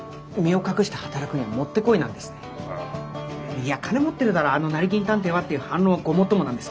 「いや金持ってるだろあの成金探偵は」っていう反論はごもっともなんです。